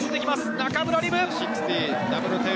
中村輪夢。